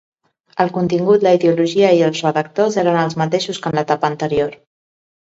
El contingut, la ideologia i els redactors eren els mateixos que en l’etapa anterior.